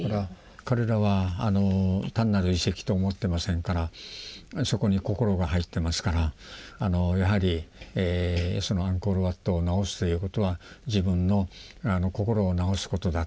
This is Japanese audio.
彼らは単なる遺跡と思ってませんからそこに心が入ってますからやはりアンコール・ワットを直すということは自分の心を直すことだという。